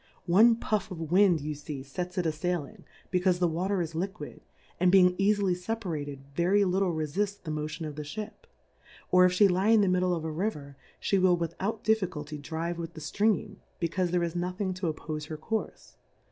One Puff of Wind you fee fets it a failing, becaufe the Water is liquid, and being eafily fcpamted, very littb refuis the Motion of the Ship •, or if file lie in the Middle of a River, fhe will without Difficulty drive with the Stream, becaufe there is nothing to oppofe her Courfe.